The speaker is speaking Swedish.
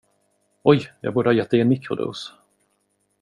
Oj, jag borde ha gett dig en mikrodos.